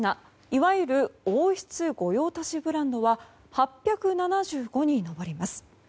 いわゆる王室御用達ブランドは８７５に上ります。